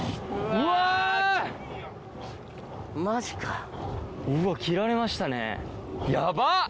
うわ切られましたねヤバっ。